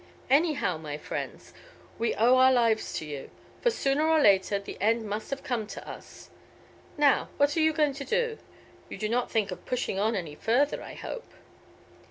Anyhow, my friends, we owe our lives to you, for sooner or later the end must have come to us. Now what are you going to do? You do not think of pushing on any further, I hope."